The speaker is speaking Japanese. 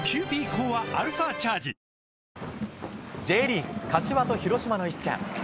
Ｊリーグ、柏と広島の一戦。